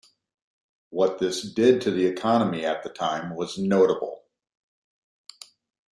What this did to the economy at the time was notable.